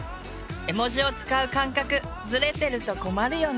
絵文字を使う感覚ズレてると困るよね。